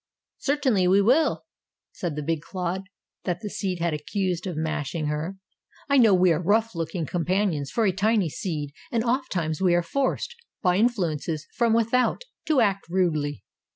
"Certainly we will," said the big clod that the seed had accused of mashing her. "I know we are rough looking companions for a tiny seed and oftimes we are forced, by influences from without, to act rudely.